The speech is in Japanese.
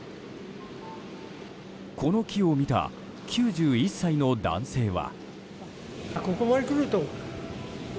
この木を見た９１歳の男性は。